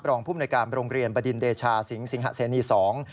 ภูมิในการโรงเรียนบดินเดชาสิงสิงหะเสนีสอง